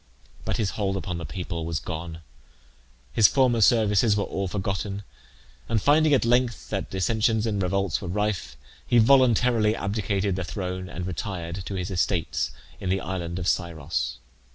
But his hold upon the people was gone. His former services were all forgotten, and, finding at length that dissensions and revolts were rife, he voluntarily abdicated the throne, and retired to his estates in the island of Scyros.